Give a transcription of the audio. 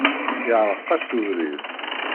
Iɛreq-as ubrid.